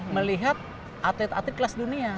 melihat atlet atlet kelas dunia